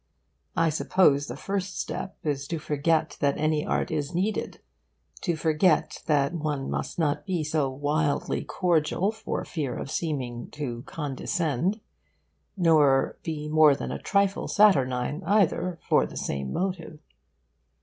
I suppose the first step is to forget that any art is needed to forget that one must not be so wildly cordial for fear of seeming to 'condescend,' nor be more than a trifle saturnine, either, for the same motive.